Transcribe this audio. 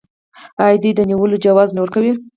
آیا دوی د نیولو جواز نه ورکوي؟